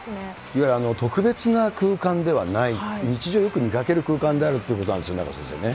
いわゆる特別な空間ではない、日常よく見かける空間であるということなんですよ、名越先生ね。